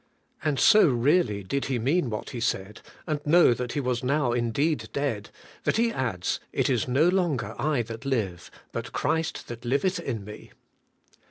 And so really did he mean what, he said, and know that he was now indeed dead, that he adds: 'It is no longer 1 that live^ but Christ that liveth in me.